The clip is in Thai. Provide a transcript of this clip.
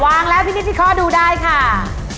วางแล้วพี่นิดที่ขอดูได้ค่ะ